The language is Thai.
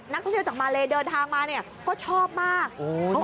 นักท่องเที่ยวจากมาเลเดินทางมาเนี่ยก็ชอบมาก